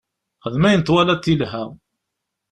Xdem ayen twalaḍ yelha.